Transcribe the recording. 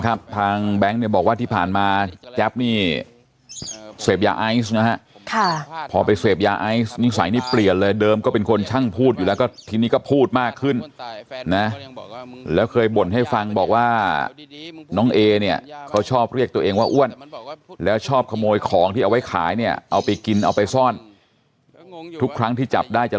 ครับผมผมก็บอกว่ามึงก็เห็นอยู่ว่าถังก็ใช้